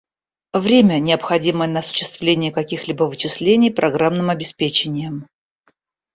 Время, необходимое на осуществление каких-либо вычислений программным обеспечением